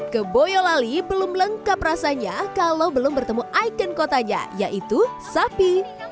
ke boyolali belum lengkap rasanya kalau belum bertemu ikon kotanya yaitu sapi